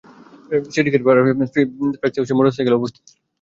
সিটিগেট পার হয়ে গ্ল্যাক্সো ফ্যাক্টরির সামনে গিয়ে মোটরসাইকেলের নিয়ন্ত্রণ হারান তিনি।